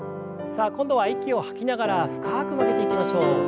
さあ今度は息を吐きながら深く曲げていきましょう。